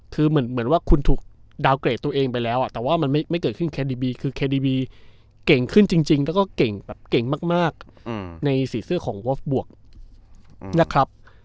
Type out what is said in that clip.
คือเหมือนว่าคุณถูกดาวนเกรดตัวเองไปแล้วแต่ว่ามันไม่เกิดขึ้นแคนดีบีคือแคนดีบีเก่งขึ้นจริงแล้วก็เก่งแบบเก่งมากในสีเสื้อของวอฟบวกนะครับ